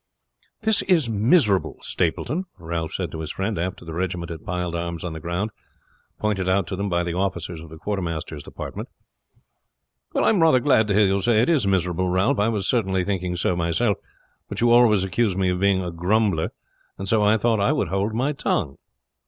"This is miserable, Stapleton," Ralph said to his friend, after the regiment had piled arms on the ground pointed out to them by the officers of the quartermaster's department. "I am rather glad to hear you say it is miserable, Ralph. I was certainly thinking so myself; but you always accuse me of being a grumbler, so I thought I would hold my tongue."